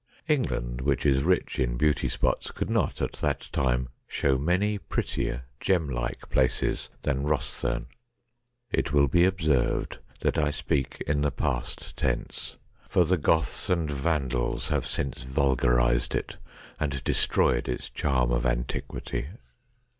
England, which is rich in beauty spots, could not at that time show many prettier, gem like places than Bostherne. It will be observed that I speak in the past tense, for the Goths and Vandals have since vulgarised it, and destroyed its charm of antiquity.